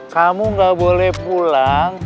kamu gak boleh pulang